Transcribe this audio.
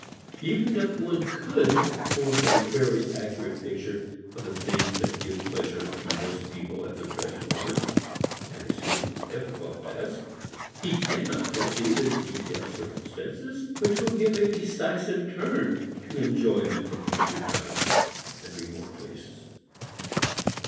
Even if one could form a fairly accurate picture of the things that give pleasure to most people at the present moment an exceedingly difficult task he cannot foresee the detailed circumstances which will give a decisive turn to enjoyment at future times and remote places.